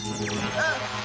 bukan dia bukan elvis